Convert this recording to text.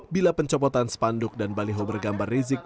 bila pencopotan spanduk dan baliho bergambar rizik